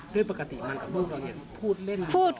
ด้วยปกติมันก็พูดเล่น